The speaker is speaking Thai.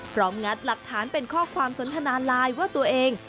งัดหลักฐานเป็นข้อความสนทนาไลน์ว่าตัวเอง